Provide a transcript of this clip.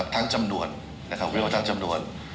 ทั้งจำนวนเรียกว่าทั้งจำนวน